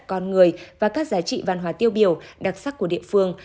con người và các giá trị văn hóa tiêu biểu đặc sắc của địa phương